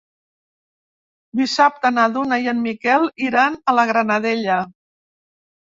Dissabte na Duna i en Miquel iran a la Granadella.